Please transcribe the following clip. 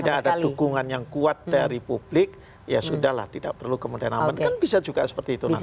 tidak ada dukungan yang kuat dari publik ya sudah lah tidak perlu kemudian aman kan bisa juga seperti itu nanti